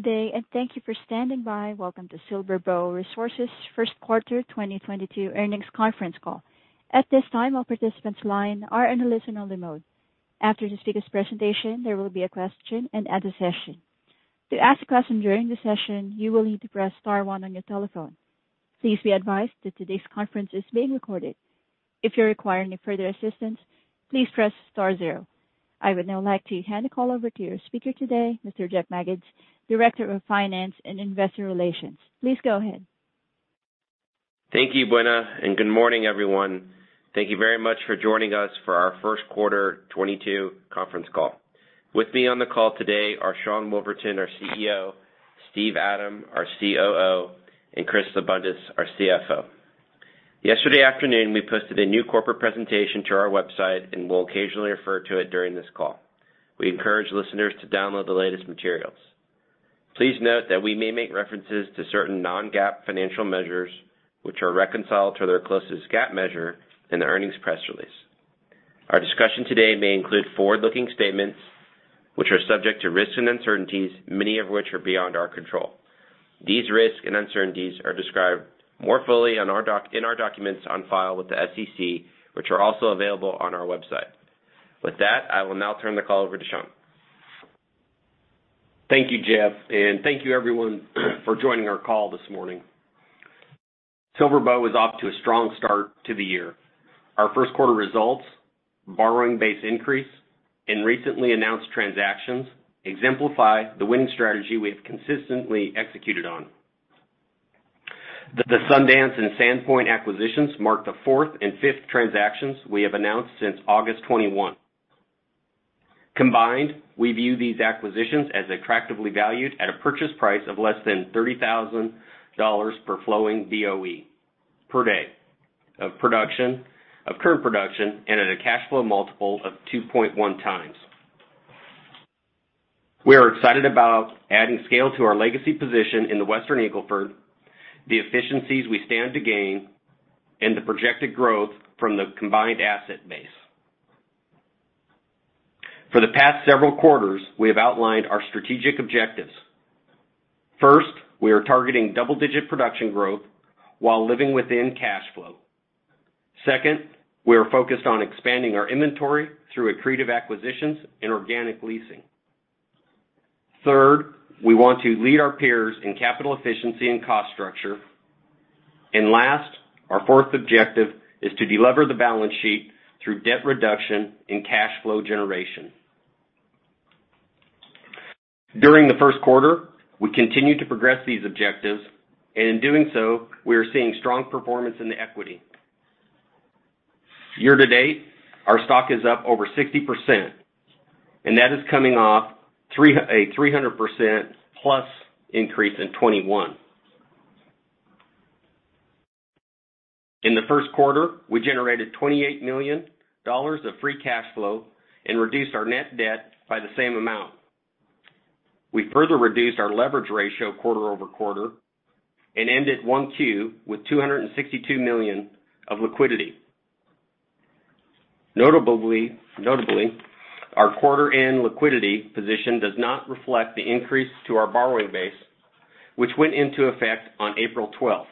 Good day, and thank you for standing by. Welcome to SilverBow Resources' first quarter 2022 earnings conference call. At this time, all participants' lines are in a listen-only mode. After the speaker's presentation, there will be a question-and-answer session. To ask a question during the session, you will need to press star one on your telephone. Please be advised that today's conference is being recorded. If you require any further assistance, please press star zero. I would now like to hand the call over to your speaker today, Mr. Jeff Magids, Director of Finance & Investor Relations. Please go ahead. Thank you, Buena, and good morning, everyone. Thank you very much for joining us for our first quarter 2022 conference call. With me on the call today are Sean Woolverton, our CEO, Steve Adam, our COO, and Chris Abundis, our CFO. Yesterday afternoon, we posted a new corporate presentation to our website, and we'll occasionally refer to it during this call. We encourage listeners to download the latest materials. Please note that we may make references to certain non-GAAP financial measures, which are reconciled to their closest GAAP measure in the earnings press release. Our discussion today may include forward-looking statements, which are subject to risks and uncertainties, many of which are beyond our control. These risks and uncertainties are described more fully in our documents on file with the SEC, which are also available on our website. With that, I will now turn the call over to Sean. Thank you, Jeff, and thank you, everyone, for joining our call this morning. SilverBow is off to a strong start to the year. Our first quarter results, borrowing base increase, and recently announced transactions exemplify the winning strategy we have consistently executed on. The Sundance and SandPoint acquisitions mark the fourth and fifth transactions we have announced since August 2021. Combined, we view these acquisitions as attractively valued at a purchase price of less than $30,000 per flowing Boe per day of current production and at a cash flow multiple of 2.1x. We are excited about adding scale to our legacy position in the Western Eagle Ford, the efficiencies we stand to gain, and the projected growth from the combined asset base. For the past several quarters, we have outlined our strategic objectives. First, we are targeting double-digit production growth while living within cash flow. Second, we are focused on expanding our inventory through accretive acquisitions and organic leasing. Third, we want to lead our peers in capital efficiency and cost structure. Last, our fourth objective is to deliver the balance sheet through debt reduction and cash flow generation. During the first quarter, we continued to progress these objectives, and in doing so, we are seeing strong performance in the equity. Year to date, our stock is up over 60%, and that is coming off a 300%+ increase in 2021. In the first quarter, we generated $28 million of free cash flow and reduced our net debt by the same amount. We further reduced our leverage ratio quarter-over-quarter and ended 1Q with $262 million of liquidity. Notably, our quarter-end liquidity position does not reflect the increase to our borrowing base, which went into effect on April 12.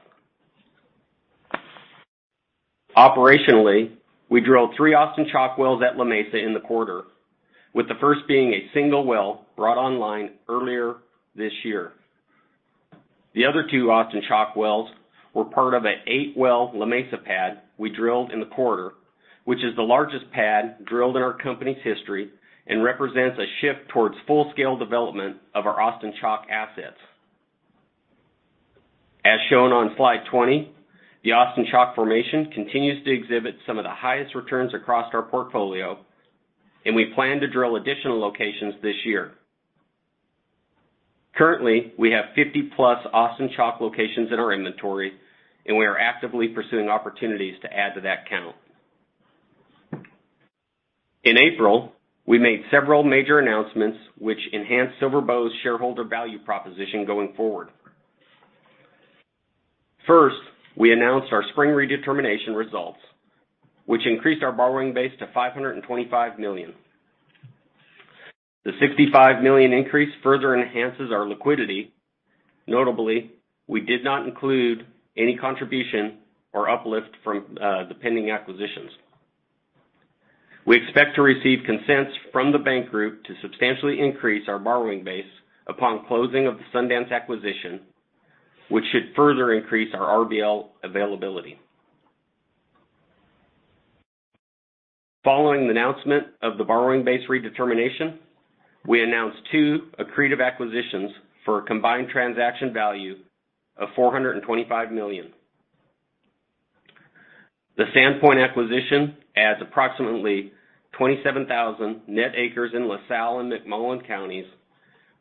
Operationally, we drilled three Austin Chalk wells at La Mesa in the quarter, with the first being a single well brought online earlier this year. The other two Austin Chalk wells were part of an 8-well La Mesa pad we drilled in the quarter, which is the largest pad drilled in our company's history and represents a shift towards full-scale development of our Austin Chalk assets. As shown on slide 20, the Austin Chalk formation continues to exhibit some of the highest returns across our portfolio, and we plan to drill additional locations this year. Currently, we have 50+ Austin Chalk locations in our inventory, and we are actively pursuing opportunities to add to that count. In April, we made several major announcements that enhanced SilverBow's shareholder value proposition going forward. First, we announced our spring redetermination results, which increased our borrowing base to $525 million. The $65 million increase further enhances our liquidity. Notably, we did not include any contribution or uplift from the pending acquisitions. We expect to receive consents from the bank group to substantially increase our borrowing base upon closing of the Sundance acquisition, which should further increase our RBL availability. Following the announcement of the borrowing base redetermination, we announced two accretive acquisitions for a combined transaction value of $425 million. The SandPoint acquisition adds approximately 27,000 net acres in LaSalle and McMullen counties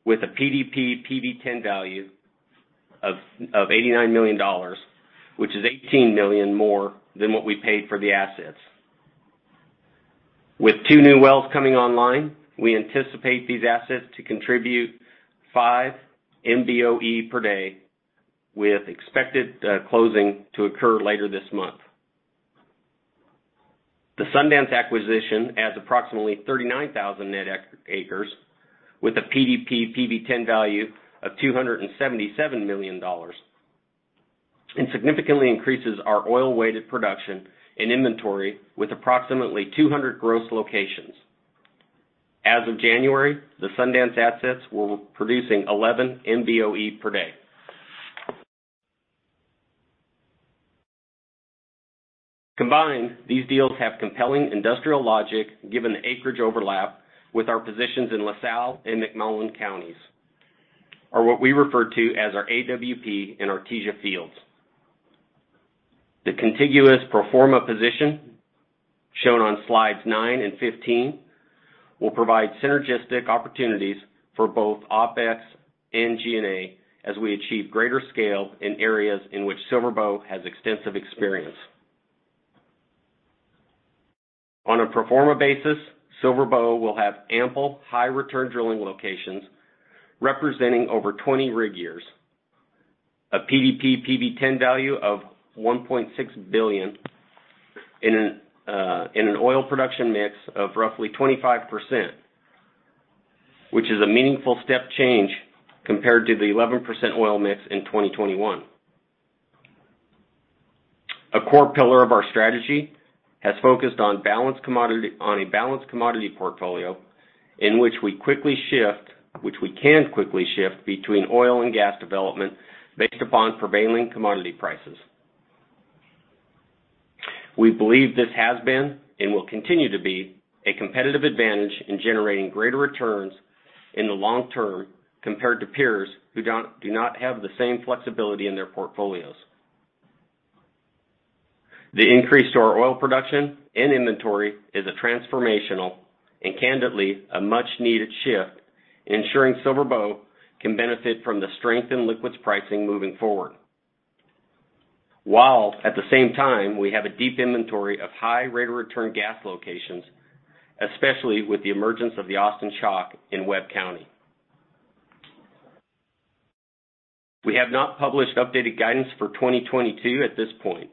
with a PDP PV-10 value of $89 million, which is $18 million more than what we paid for the assets. With two new wells coming online, we anticipate these assets to contribute five Mboe per day, with the expected closing to occur later this month. The Sundance acquisition adds approximately 39,000 net acres, with a PDP PV10 value of $277 million, and significantly increases our oil-weighted production and inventory with approximately 200 gross locations. As of January, the Sundance assets were producing 11 Mboe per day. Combined, these deals have compelling industrial logic given the acreage overlap with our positions in LaSalle and McMullen Counties, or what we refer to as our AWP and Artesia fields. The contiguous pro forma position, shown on slides 9 and 15, will provide synergistic opportunities for both OpEx and G&A as we achieve greater scale in areas in which SilverBow has extensive experience. On a pro forma basis, SilverBow will have ample high-return drilling locations representing over 20 rig years. A PDP PV-10 value of $1.6 billion in an oil production mix of roughly 25%, which is a meaningful step change compared to the 11% oil mix in 2021. A core pillar of our strategy has focused on a balanced commodity portfolio in which we can quickly shift between oil and gas development based on prevailing commodity prices. We believe this has been, and will continue to be, a competitive advantage in generating greater returns in the long term compared to peers who do not have the same flexibility in their portfolios. The increase in our oil production and inventory is a transformational and, candidly, a much-needed shift, ensuring SilverBow can benefit from the strength in liquids pricing moving forward. While at the same time, we have a deep inventory of high-rate-of-return gas locations, especially with the emergence of the Austin Chalk in Webb County. We have not published updated guidance for 2022 at this point.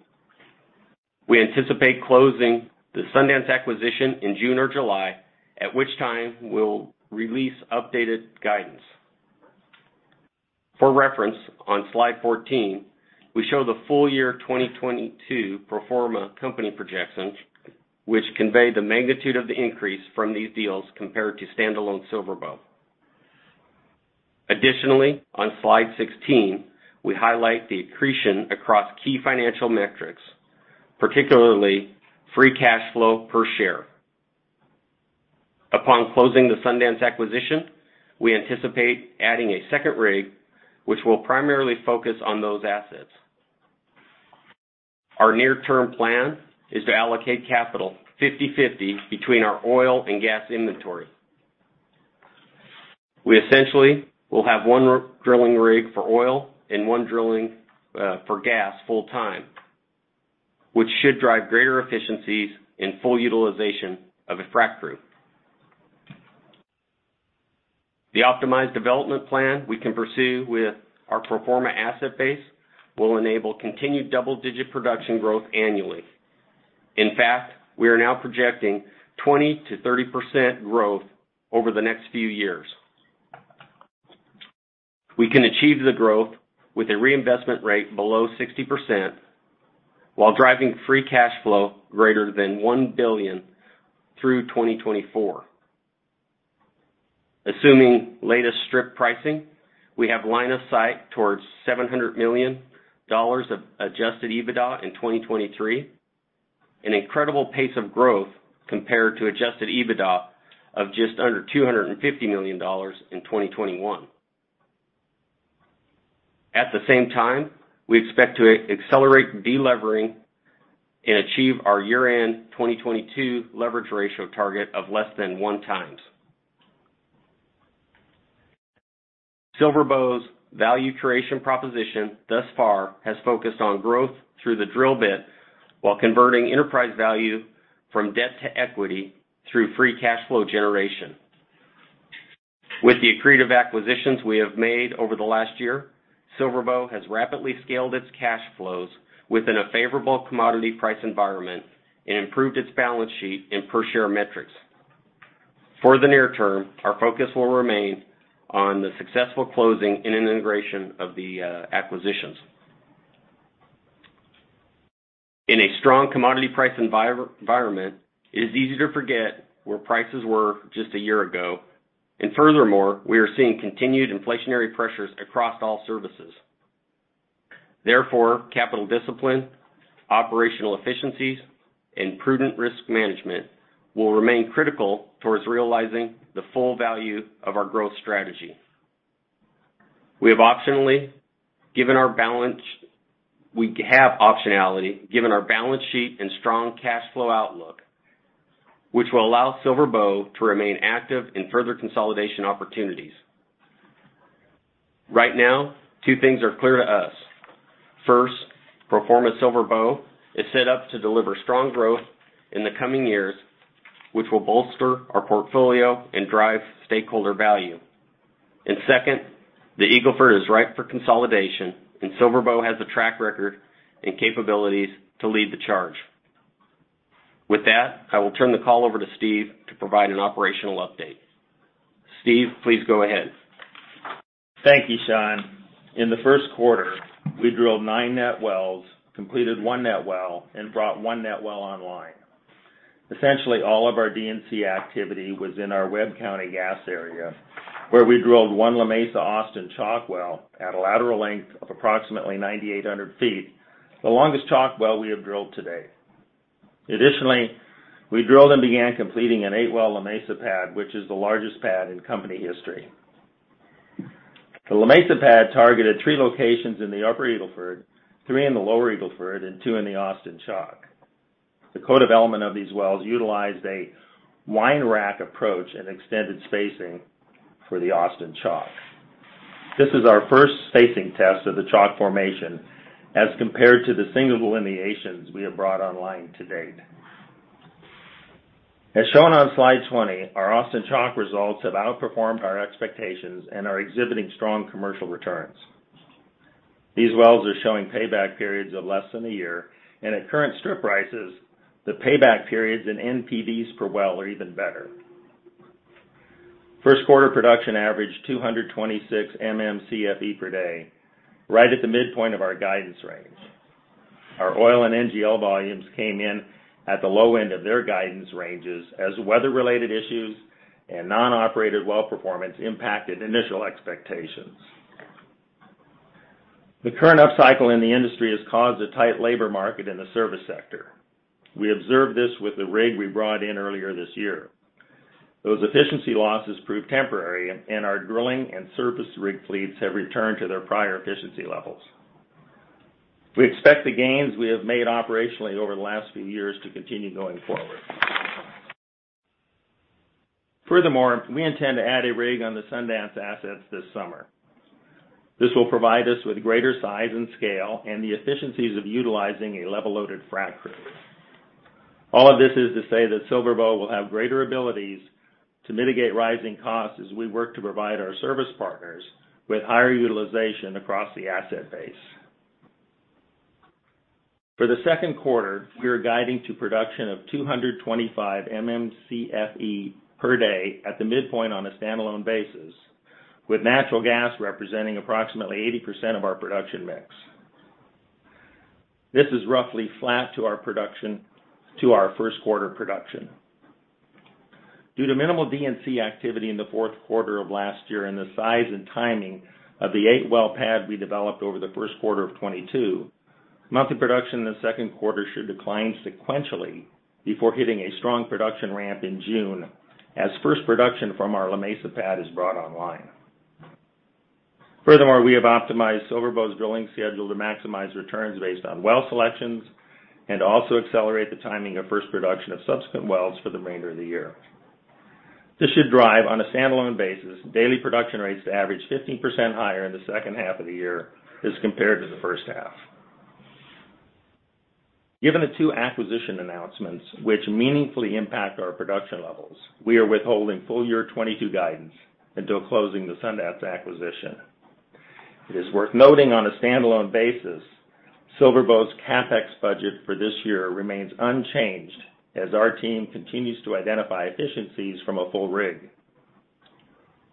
We anticipate closing the Sundance acquisition in June or July, at which time we'll release updated guidance. For reference, on slide 14, we show the full year 2022 pro forma company projections, which convey the magnitude of the increase from these deals compared to standalone SilverBow. Additionally, on slide 16, we highlight the accretion across key financial metrics, particularly free cash flow per share. Upon closing the Sundance acquisition, we anticipate adding a second rig, which will primarily focus on those assets. Our near-term plan is to allocate capital 50/50 between our oil and gas inventory. We essentially will have one drilling rig for oil and one drilling rig for gas full-time, which should drive greater efficiencies and full utilization of a frack crew. The optimized development plan we can pursue with our pro forma asset base will enable continued double-digit production growth annually. In fact, we are now projecting 20%-30% growth over the next few years. We can achieve the growth with a reinvestment rate below 60% while driving free cash flow greater than $1 billion through 2024. Assuming the latest strip pricing, we have line of sight towards $700 million of Adjusted EBITDA in 2023, an incredible pace of growth compared to Adjusted EBITDA of just under $250 million in 2021. At the same time, we expect to accelerate delivering and achieve our year-end 2022 leverage ratio target of less than 1x. SilverBow's value creation proposition thus far has focused on growth through the drill bit while converting enterprise value from debt to equity through free cash flow generation. With the accretive acquisitions we have made over the last year, SilverBow has rapidly scaled its cash flows within a favorable commodity price environment and improved its balance sheet in per-share metrics. For the near term, our focus will remain on the successful closing and integration of the acquisitions. In a strong commodity price environment, it is easy to forget where prices were just a year ago. Furthermore, we are seeing continued inflationary pressures across all services. Therefore, capital discipline, operational efficiencies, and prudent risk management will remain critical towards realizing the full value of our growth strategy. We have optionality given our balance sheet and strong cash flow outlook, which will allow SilverBow to remain active in further consolidation opportunities. Right now, two things are clear to us. First, pro forma SilverBow is set up to deliver strong growth in the coming years, which will bolster our portfolio and drive stakeholder value. Second, the Eagle Ford is ripe for consolidation, and SilverBow has a track record and capabilities to lead the charge. With that, I will turn the call over to Steve to provide an operational update. Steve, please go ahead. Thank you, Sean. In the first quarter, we drilled nine net wells, completed one net well, and brought one net well online. Essentially, all of our D&C activity was in our Webb County gas area, where we drilled one La Mesa Austin Chalk well at a lateral length of approximately 9,800 feet, the longest Chalk well we have drilled to date. Additionally, we drilled and began completing an eight-well La Mesa pad, which is the largest pad in company history. The La Mesa pad targeted three locations in the Upper Eagle Ford, three in the Lower Eagle Ford, and two in the Austin Chalk. The co-development of these wells utilized a wine rack approach and extended spacing for the Austin Chalk. This is our first spacing test of the Chalk formation as compared to the single laterals we have brought online to date. As shown on slide 20, our Austin Chalk results have outperformed our expectations and are exhibiting strong commercial returns. These wells are showing payback periods of less than a year, and at current strip prices, the payback periods and NPVs per well are even better. First quarter production averaged 226 MMcfe per day, right at the midpoint of our guidance range. Our oil and NGL volumes came in at the low end of their guidance ranges as weather-related issues and non-operated well performance impacted initial expectations. The current upcycle in the industry has caused a tight labor market in the service sector. We observed this with the rig we brought in earlier this year. Those efficiency losses proved temporary, and our drilling and surface rig fleets have returned to their prior efficiency levels. We expect the gains we have made operationally over the last few years to continue going forward. Furthermore, we intend to add a rig on the Sundance assets this summer. This will provide us with greater size and scale and the efficiencies of utilizing a level-loaded frac crew. All of this is to say that SilverBow will have greater abilities to mitigate rising costs as we work to provide our service partners with higher utilization across the asset base. For the second quarter, we are guiding to production of 225 MMcfe per day at the midpoint on a standalone basis, with natural gas representing approximately 80% of our production mix. This is roughly flat to our first quarter production. Due to minimal D&C activity in the fourth quarter of last year and the size and timing of the 8-well pad we developed over the first quarter of 2022, monthly production in the second quarter should decline sequentially before hitting a strong production ramp in June as first production from our La Mesa pad is brought online. Furthermore, we have optimized SilverBow's drilling schedule to maximize returns based on well selections and also accelerate the timing of first production of subsequent wells for the remainder of the year. This should drive, on a standalone basis, daily production rates to average 15% higher in the second half of the year as compared to the first half. Given the two acquisition announcements, which meaningfully impact our production levels, we are withholding full-year 2022 guidance until closing the Sundance acquisition. It is worth noting on a standalone basis that SilverBow's CapEx budget for this year remains unchanged as our team continues to identify efficiencies from a full rig.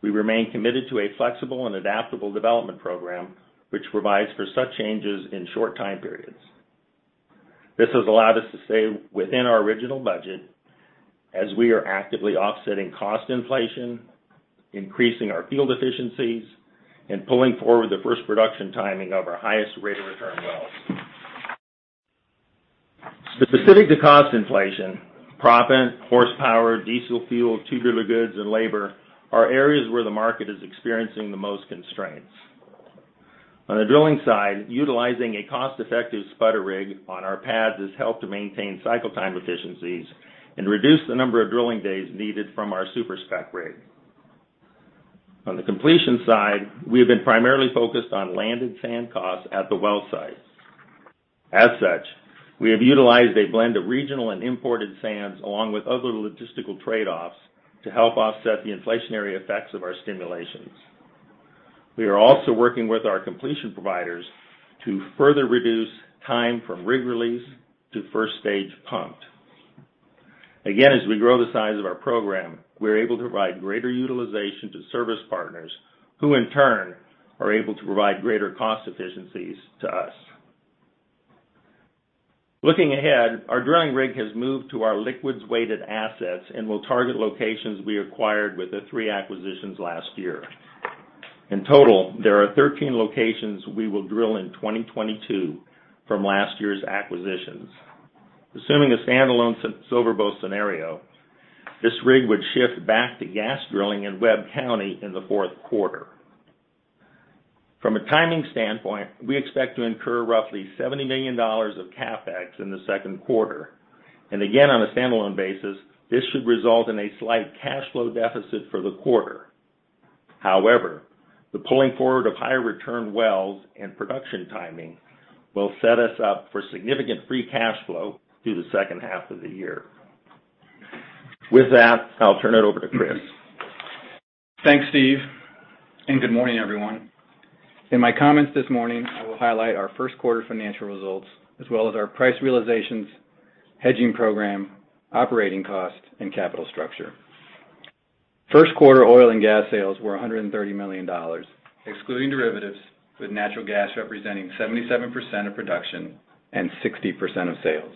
We remain committed to a flexible and adaptable development program which provides for such changes in short time periods. This has allowed us to stay within our original budget as we are actively offsetting cost inflation, increasing our field efficiencies, and pulling forward the first production timing of our highest rate of return wells. Specific to cost inflation, proppant, horsepower, diesel fuel, tubular goods, and labor are areas where the market is experiencing the most constraints. On the drilling side, utilizing a cost-effective spudder rig on our pads has helped to maintain cycle time efficiencies and reduce the number of drilling days needed from our super-spec rig. On the completion side, we have been primarily focused on land and sand costs at the well site. As such, we have utilized a blend of regional and imported sands along with other logistical trade-offs to help offset the inflationary effects of our stimulations. We are also working with our completion providers to further reduce the time from rig release to first stage pumped. Again, as we grow the size of our program, we're able to provide greater utilization to service partners who, in turn, are able to provide greater cost efficiencies to us. Looking ahead, our drilling rig has moved to our liquids-weighted assets and will target locations we acquired with the three acquisitions last year. In total, there are 13 locations we will drill in 2022 from last year's acquisitions. Assuming a standalone SilverBow scenario, this rig would shift back to gas drilling in Webb County in the fourth quarter. From a timing standpoint, we expect to incur roughly $70 million of CapEx in the second quarter. Again, on a standalone basis, this should result in a slight cash flow deficit for the quarter. However, the pulling forward of high-return wells and production timing will set us up for significant free cash flow through the second half of the year. With that, I'll turn it over to Chris. Thanks, Steve, and good morning, everyone. In my comments this morning, I will highlight our first quarter financial results, as well as our price realizations, hedging program, operating costs, and capital structure. First quarter oil and gas sales were $130 million, excluding derivatives, with natural gas representing 77% of production and 60% of sales.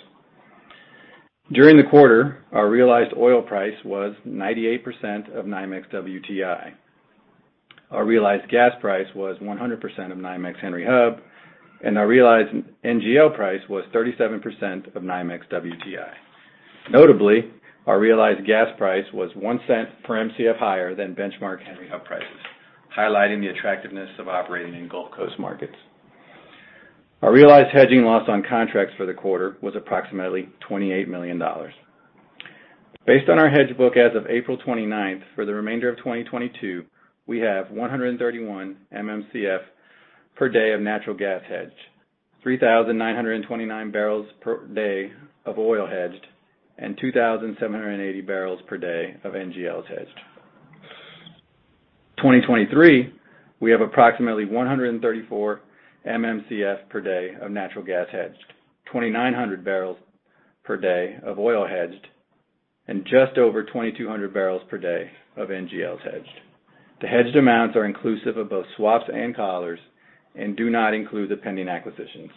During the quarter, our realized oil price was 98% of NYMEX WTI. Our realized gas price was 100% of the NYMEX Henry Hub, and our realized NGL price was 37% of the NYMEX WTI. Notably, our realized gas price was $0.01 per Mcf higher than benchmark Henry Hub prices, highlighting the attractiveness of operating in Gulf Coast markets. Our realized hedging loss on contracts for the quarter was approximately $28 million. Based on our hedge book as of April 29th, for the remainder of 2022, we have 131 MMcf per day of natural gas hedged, 3,929 bbl per day of oil hedged, and 2,780 bbl per day of NGLs hedged. In 2023, we have approximately 134 MMcf per day of natural gas hedged, 2,900 bbl per day of oil hedged, and just over 2,200 bbl per day of NGLs hedged. The hedged amounts are inclusive of both swaps and collars and do not include the pending acquisitions.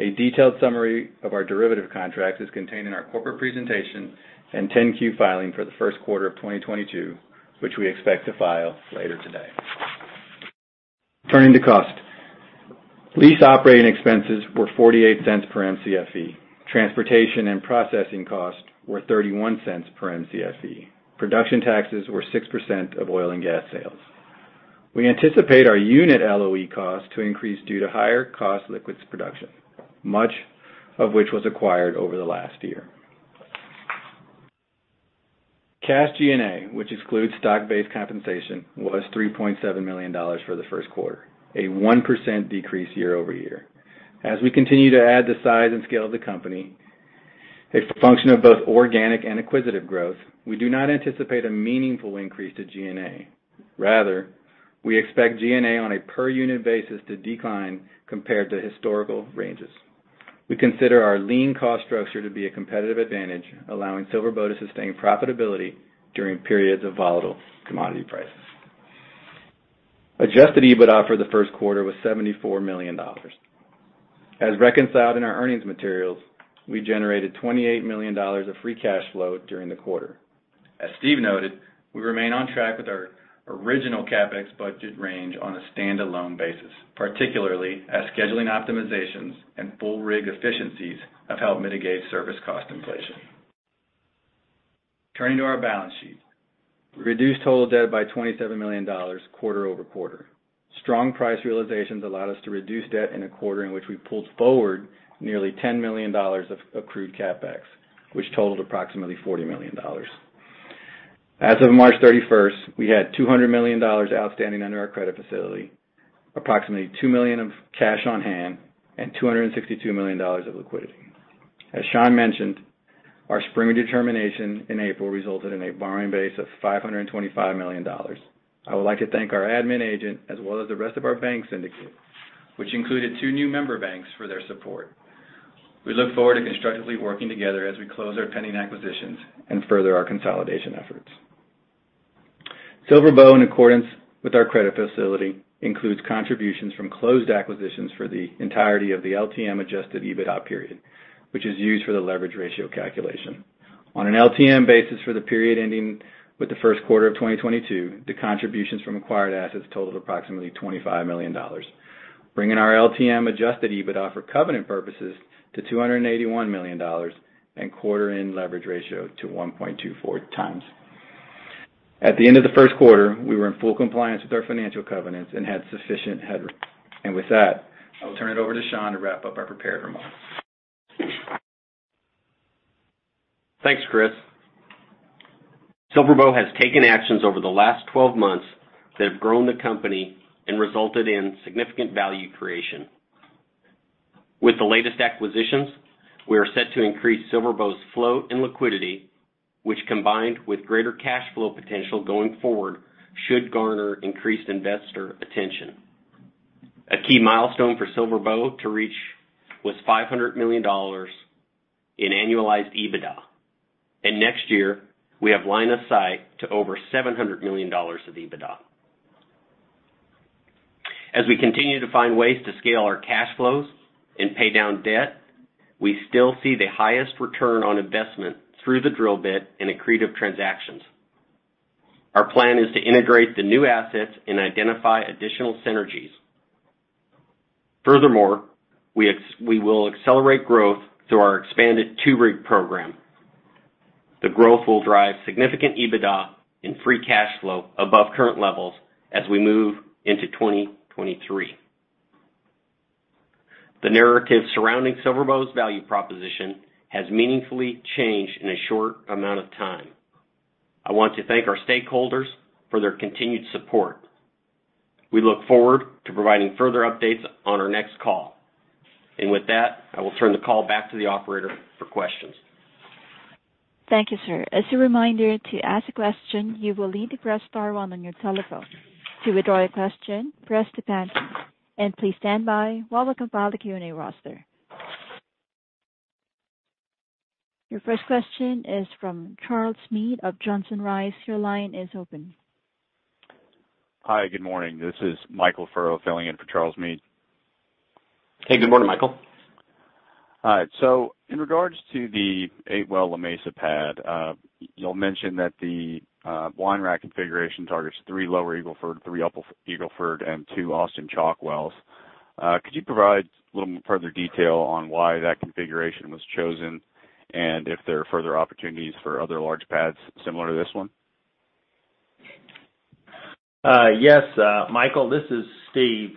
A detailed summary of our derivative contracts is contained in our corporate presentation and 10-Q filing for the first quarter of 2022, which we expect to file later today. Turning to cost. Lease operating expenses were $0.48 per Mcfe. Transportation and processing costs were $0.31 per Mcfe. Production taxes were 6% of oil and gas sales. We anticipate our unit LOE cost to increase due to higher cost liquids production, much of which was acquired over the last year. Cash G&A, which excludes stock-based compensation, was $3.7 million for the first quarter, a 1% decrease year-over-year. As we continue to add the size and scale of the company, a function of both organic and acquisitive growth, we do not anticipate a meaningful increase to G&A. Rather, we expect G&A on a per unit basis to decline compared to historical ranges. We consider our lean cost structure to be a competitive advantage, allowing SilverBow to sustain profitability during periods of volatile commodity prices. Adjusted EBITDA for the first quarter was $74 million. As reconciled in our earnings materials, we generated $28 million of free cash flow during the quarter. As Steve noted, we remain on track with our original CapEx budget range on a stand-alone basis, particularly as scheduling optimizations and full rig efficiencies have helped mitigate service cost inflation. Turning to our balance sheet. We reduced total debt by $27 million quarter-over-quarter. Strong price realizations allowed us to reduce debt in a quarter in which we pulled forward nearly $10 million of accrued CapEx, which totaled approximately $40 million. As of March thirty-first, we had $200 million outstanding under our credit facility, approximately $2 million of cash on hand, and $262 million of liquidity. As Sean mentioned, our spring redetermination in April resulted in a borrowing base of $525 million. I would like to thank our admin agent as well as the rest of our bank syndicate, which included two new member banks, for their support. We look forward to constructively working together as we close our pending acquisitions and further our consolidation efforts. SilverBow, in accordance with our credit facility, includes contributions from closed acquisitions for the entirety of the LTM Adjusted EBITDA period, which is used for the leverage ratio calculation. On an LTM basis for the period ending with the first quarter of 2022, the contributions from acquired assets totaled approximately $25 million, bringing our LTM Adjusted EBITDA for covenant purposes to $281 million and quarter-end leverage ratio to 1.24x. At the end of the first quarter, we were in full compliance with our financial covenants and had sufficient headroom. With that, I will turn it over to Sean to wrap up our prepared remarks. Thanks, Chris. SilverBow has taken actions over the last 12 months that have grown the company and resulted in significant value creation. With the latest acquisitions, we are set to increase SilverBow's flow in liquidity, which, combined with greater cash flow potential going forward, should garner increased investor attention. A key milestone for SilverBow to reach was $500 million in annualized EBITDA. Next year, we have a line of sight to over $700 million of EBITDA. As we continue to find ways to scale our cash flows and pay down debt, we still see the highest return on investment through the drill bit in accretive transactions. Our plan is to integrate the new assets and identify additional synergies. Furthermore, we will accelerate growth through our expanded 2-rig program. The growth will drive significant EBITDA and free cash flow above current levels as we move into 2023. The narrative surrounding SilverBow's value proposition has meaningfully changed in a short amount of time. I want to thank our stakeholders for their continued support. We look forward to providing further updates on our next call. With that, I will turn the call back to the operator for questions. Thank you, sir. As a reminder, to ask a question, you will need to press star one on your telephone. To withdraw your question, press the pound key. Please stand by while we compile the Q&A roster. Your first question is from Charles Meade of Johnson Rice. Your line is open. Hi, good morning. This is Michael Furrow filling in for Charles Meade. Hey, good morning, Michael. All right. In regards to the eight-well La Mesa pad, you all mentioned that the wine rack configuration targets three Lower Eagle Ford, three Upper Eagle Ford, and two Austin Chalk wells. Could you provide a little more further detail on why that configuration was chosen and if there are further opportunities for other large pads similar to this one? Yes, Michael, this is Steve.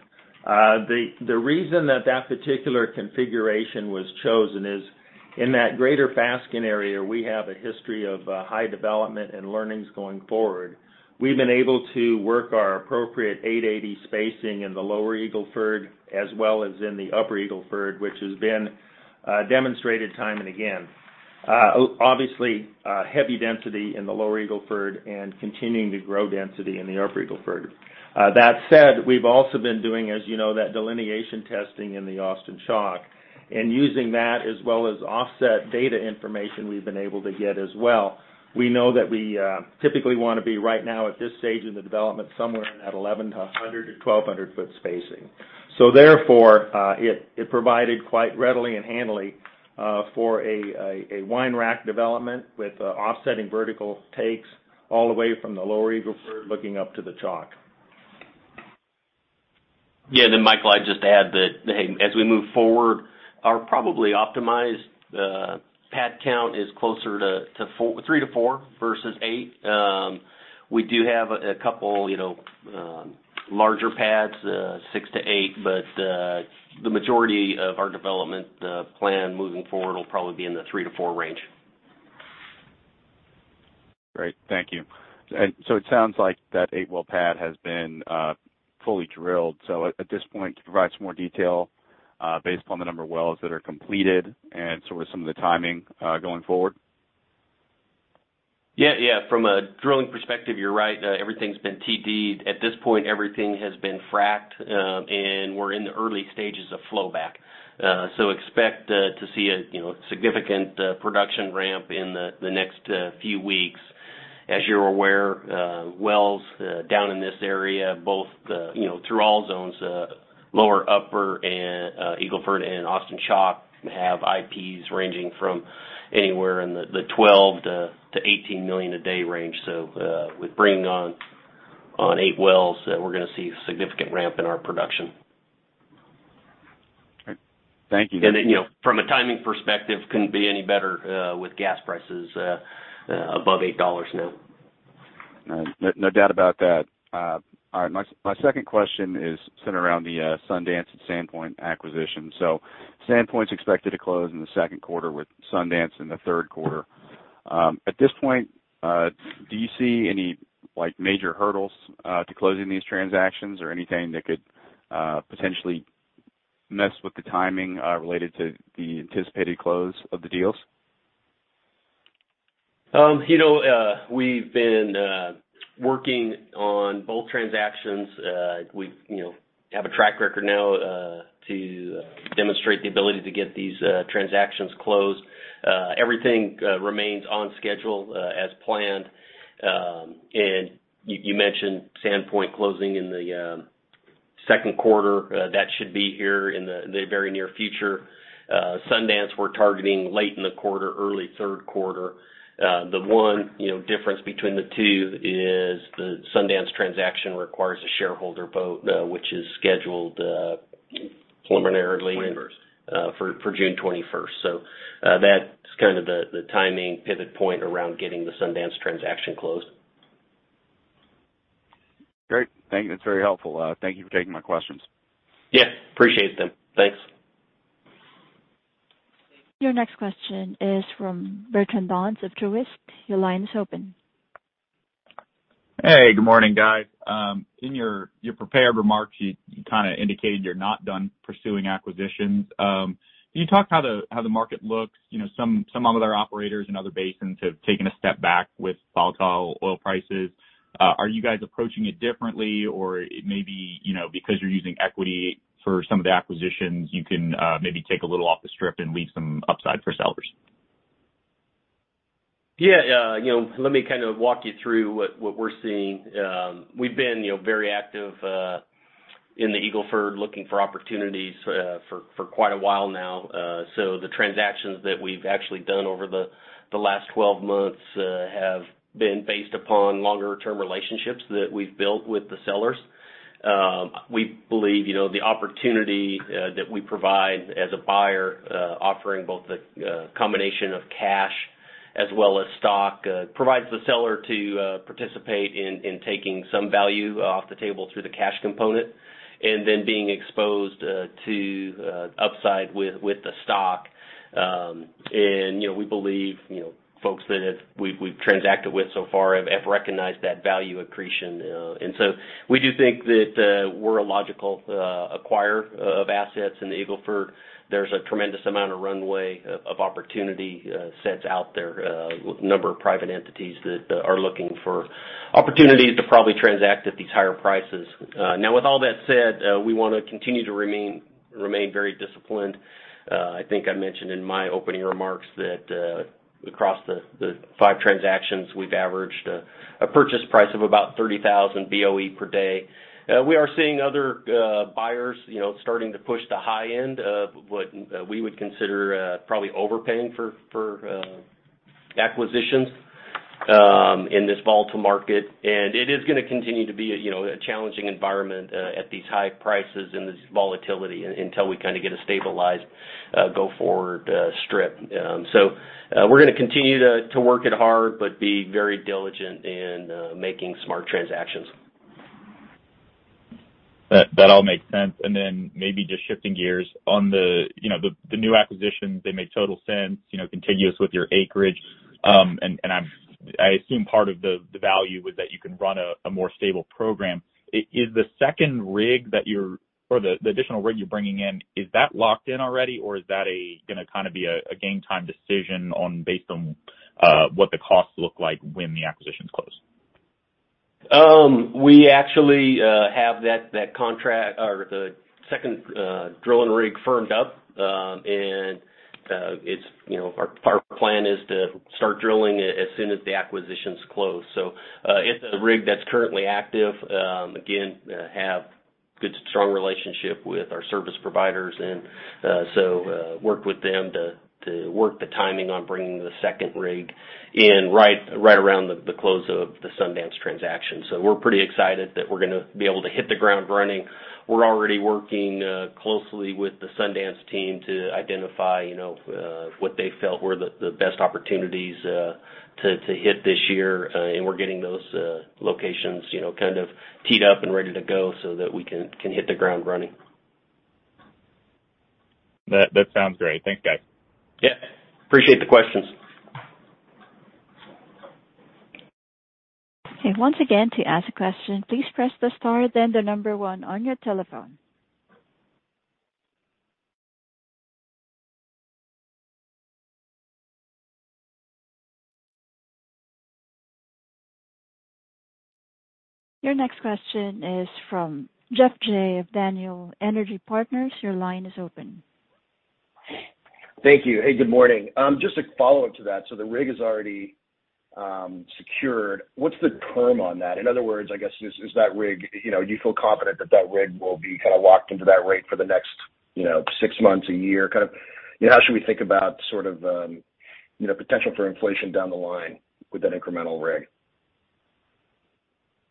The reason that that particular configuration was chosen is in the greater Fasken area, we have a history of high development and learning going forward. We've been able to work our appropriate 880 spacing in the Lower Eagle Ford as well as in the Upper Eagle Ford, which has been demonstrated time and again. Obviously, heavy density in the Lower Eagle Ford and continuing to grow density in the Upper Eagle Ford. That said, we've also been doing, as you know, that delineation testing in the Austin Chalk and using that, as well as offset data information, we've been able to get as well. We know that we typically wanna be right now at this stage in the development, somewhere in that 1,100 to 1,200 foot spacing. Therefore, it provided quite readily and handily for a wine rack development with offsetting vertical takes all the way from the Lower Eagle Ford looking up to the Chalk. Michael, I'd just add that hey, as we move forward, our probably optimized pad count is closer to four. Three to four versus eight. We do have a couple, you know, larger pads, six-eight, but the majority of our development plan moving forward will probably be in the three-four range. Great. Thank you. It sounds like that eight-well pad has been fully drilled. At this point, can you provide some more detail based on the number of wells that are completed and sort of some of the timing going forward? Yeah. From a drilling perspective, you're right, everything's been TD'd. At this point, everything has been fracked, and we're in the early stages of flow back. Expect to see a, you know, significant production ramp in the next few weeks. As you're aware, wells down in this area, both through all zones, lower, upper, and Eagle Ford, and Austin Chalk have IPs ranging from anywhere in the 12-18 million a day range. With bringing on eight wells, we're gonna see a significant ramp in our production. All right. Thank you. You know, from a timing perspective, it couldn't be any better with gas prices above $8 now. All right. No doubt about that. All right, my second question is centered around the Sundance and SandPoint acquisition. SandPoint's expected to close in the second quarter with Sundance in the third quarter. At this point, do you see any, like, major hurdles to closing these transactions or anything that could potentially mess with the timing related to the anticipated close of the deals? You know, we've been working on both transactions. We, you know, have a track record now to demonstrate the ability to get these transactions closed. Everything remains on schedule as planned. You mentioned SandPoint closing in the second quarter. That should be here in the very near future. Sundance, we're targeting late in the quarter, early third quarter. The one, you know, difference between the two is the Sundance transaction requires a shareholder vote, which is scheduled preliminarily. 21st For June 21st. That's kind of the timing pivot point around getting the Sundance transaction closed. Great. Thank you. That's very helpful. Thank you for taking my questions. Yeah. Appreciate it. Thanks. Your next question is from Neal Dingmann of Truist Securities. Your line is open. Hey, good morning, guys. In your prepared remarks, you kinda indicated you're not done pursuing acquisitions. Can you talk how the market looks? Some other operators in other basins have taken a step back with volatile oil prices. Are you guys approaching it differently? Maybe because you're using equity for some of the acquisitions, you can maybe take a little off the strip and leave some upside for sellers. Yeah. You know, let me kind of walk you through what we're seeing. We've been, you know, very active in the Eagle Ford looking for opportunities for quite a while now. The transactions that we've actually done over the last 12 months have been based upon longer-term relationships that we've built with the sellers. We believe, you know, the opportunity that we provide as a buyer offering both the combination of cash as well as stock provides the seller to participate in taking some value off the table through the cash component, and then being exposed to upside with the stock. You know, we believe, you know, folks that we've transacted with so far have recognized that value accretion. We do think that we're a logical acquirer of assets in the Eagle Ford. There's a tremendous amount of runway of opportunity sets out there with a number of private entities that are looking for opportunities to probably transact at these higher prices. Now, with all that said, we wanna continue to remain very disciplined. I think I mentioned in my opening remarks that across the five transactions, we've averaged a purchase price of about 30,000 BOE per day. We are seeing other buyers, you know, starting to push the high end of what we would consider probably overpaying for acquisitions in this volatile market. It is gonna continue to be a, you know, a challenging environment at these high prices and this volatility until we kinda get a stabilized go-forward strip. We're gonna continue to work it hard but be very diligent in making smart transactions. That all makes sense. Maybe just shifting gears. On the new acquisitions, they make total sense, you know, contiguous with your acreage. I assume part of the value was that you can run a more stable program. Is the second rig or the additional rig you're bringing in locked in already? Or is that gonna kinda be a game-time decision based on what the costs look like when the acquisitions close? We actually have that contract for the second drilling rig firmed up. It's, you know, our plan is to start drilling as soon as the acquisitions close. It's a rig that's currently active. Again, we have a good, strong relationship with our service providers, and so we work with them to work on the timing of bringing the second rig in right around the close of the Sundance transaction. We're pretty excited that we're gonna be able to hit the ground running. We're already working closely with the Sundance team to identify, you know, what they felt were the best opportunities to hit this year. We're getting those locations, you know, kind of teed up and ready to go, so that we can hit the ground running. That sounds great. Thanks, guys. Yeah. Appreciate the questions. Once again, to ask a question, please press the star, then the number one on your telephone. Your next question is from Geoff Jay of Daniel Energy Partners. Your line is open. Thank you. Hey, good morning. Just a follow-up to that. The rig is already secured. What's the term for that? In other words, I guess, is that rig, you know, do you feel confident that that rig will be kinda locked into that rate for the next, you know, six months, a year, kind of? How should we think about sort of, you know, potential for inflation down the line with that incremental rig?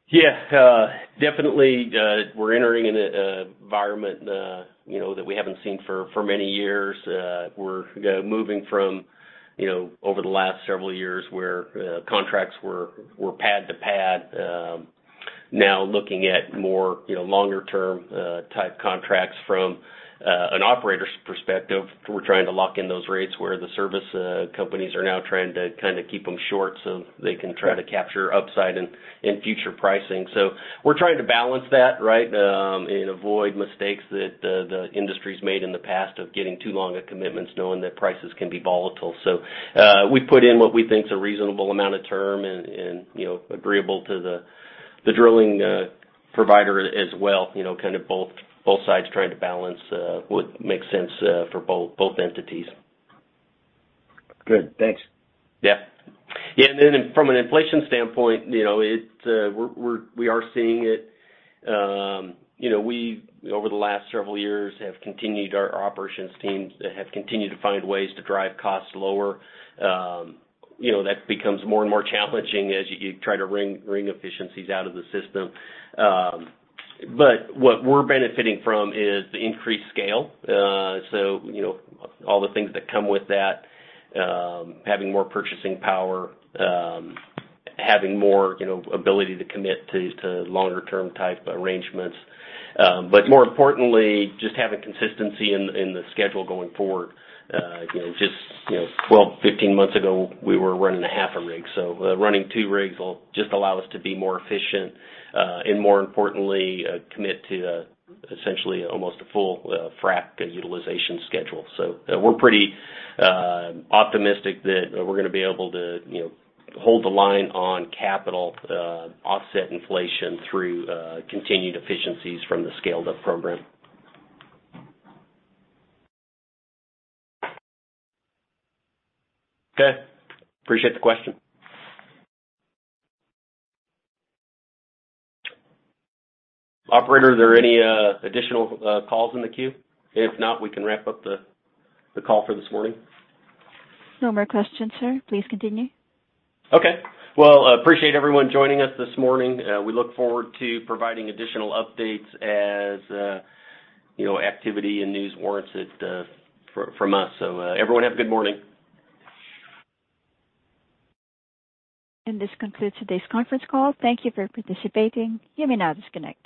Yeah. Definitely, we're entering an environment, you know, that we haven't seen for many years. We're moving from, you know, over the last several years, where contracts were pad to pad. Now, looking at more, you know, longer-term type contracts from an operator's perspective. We're trying to lock in those rates where the service companies are now trying to kinda keep them short, so they can try to capture upside in future pricing. We're trying to balance that, right, and avoid mistakes that the industry's made in the past of getting too long commitments, knowing that prices can be volatile. We put in what we think is a reasonable amount of term and, you know, agreeable to the drilling provider as well, you know, kind of both sides trying to balance what makes sense for both entities. Good. Thanks. From an inflation standpoint, you know, it is, we are seeing it. You know, we over the last several years have continued our operations teams to find ways to drive costs lower. That becomes more and more challenging as you try to wring efficiencies out of the system. What we're benefiting from is the increased scale. You know, all the things that come with that, having more purchasing power, having more, you know, ability to commit to longer-term type arrangements. But more importantly, just having consistency in the schedule going forward. You know, 12, 15 months ago, we were running half a rig. Running two rigs will just allow us to be more efficient, and more importantly, commit to essentially almost a full frac utilization schedule. We're pretty optimistic that we're gonna be able to, you know, hold the line on capital, offset inflation through continued efficiencies from the scaled-up program. Okay. Appreciate the question. Operator, are there any additional calls in the queue? If not, we can wrap up the call for this morning. No more questions, sir. Please continue. Okay. Well, appreciate everyone joining us this morning. We look forward to providing additional updates as, you know, activity and news warrant it, from us. Everyone, have a good morning. This concludes today's conference call. Thank you for participating. You may now disconnect.